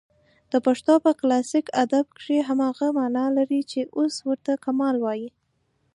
د پښتو په کلاسیک ادب کښي هماغه مانا لري، چي اوس ورته کمال وايي.